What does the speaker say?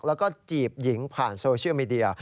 แล้วก็จีบหญิงผ่านโซเชียลมีเดีย